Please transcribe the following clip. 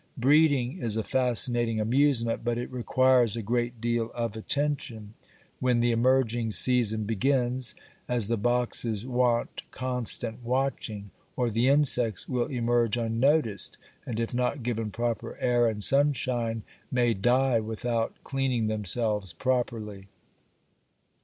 Breeding is a fascinating amusement, but it requires a great deal of attention when the emerging season begins, as the boxes want constant watching, or the insects will emerge unnoticed, and, if not given proper air and sunshine, may die without cleaning themselves properly.